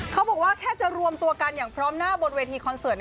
เขาบอกว่าแค่จะรวมตัวกันอย่างพร้อมหน้าบนเวทีคอนเสิร์ต